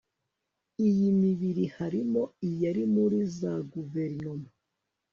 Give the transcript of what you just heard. iyi mibiri harimo iyari muri za guverinoma